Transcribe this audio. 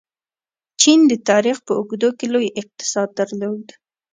چین د تاریخ په اوږدو کې لوی اقتصاد درلود.